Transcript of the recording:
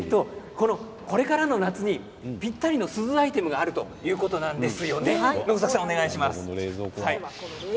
これからの夏にぴったりのすずアイテムがあるということなんですよね。